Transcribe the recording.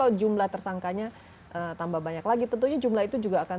ada pertanyaan daripada